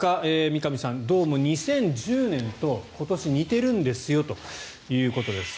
三上さん、どうも２０１０年と今年似てるんですよということです。